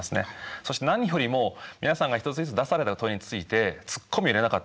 そして何よりも皆さんが一つずつ出された問いについてツッコミを入れなかった。